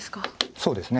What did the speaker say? そうですね。